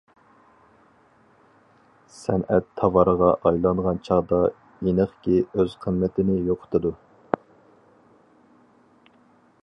سەنئەت تاۋارغا ئايلانغان چاغدا ئېنىقكى ئۆز قىممىتىنى يوقىتىدۇ.